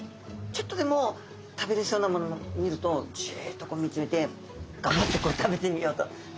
ちょっとでも食べれそうなものを見るとジッと見つめてガブッと食べてみようと。